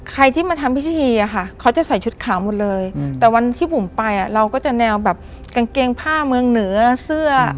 ใครที่มาทำพิธีอะค่ะเขาจะใส่ชุดขาวหมดเลยแต่วันที่บุ๋มไปเราก็จะแนวแบบกางเกงผ้าเมืองเหนือเสื้อ